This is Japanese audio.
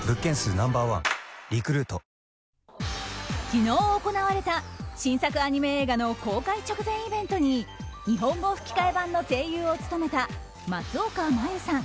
昨日行われた新作アニメ映画の公開直前イベントに日本語吹き替え版の声優を務めた松岡茉優さん